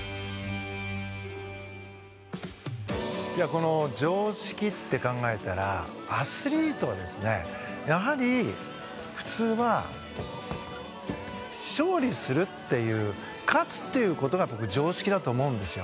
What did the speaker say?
この「常識」って考えたらアスリートはですねやはり普通は勝利するっていう勝つっていう事が僕常識だと思うんですよ。